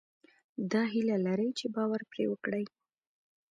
دا هيله لرئ چې باور پرې وکړئ.